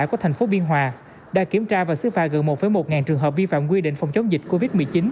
của thành phố biên hòa đã kiểm tra và xứ phạt gần một một trường hợp vi phạm quy định phòng chống dịch covid một mươi chín